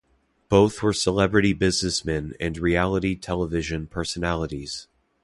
Both were celebrity businessmen and reality television personalities.